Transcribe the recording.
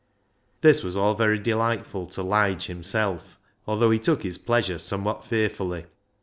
This was all very delightful to Lige him self, although he took his pleasure somewhat fearfully.